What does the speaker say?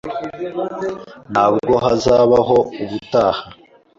Ntabwo hazabaho ubutaha.